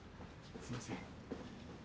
すいません。